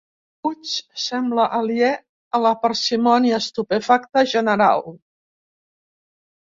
Puig sembla aliè a la parsimònia estupefacta general.